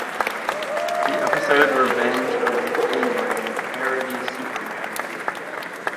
The episode "Revenge of the Fleabrain" parodies Superman.